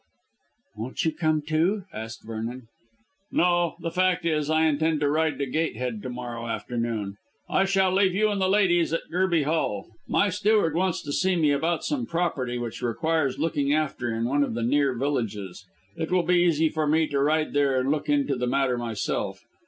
"Won't you come, too?" asked Vernon. "No. The fact is, I intend to ride to Gatehead to morrow afternoon. I shall leave you and the ladies at Gerby Hall. My steward wants to see me about some property which requires looking after in one of the near villages. It will be easy for me to ride there and look into the matter myself.